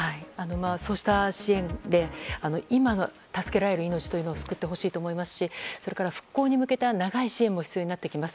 そうした支援で今、助けられる命を救ってほしいと思いますし復興に向けた長い支援も必要になってきます。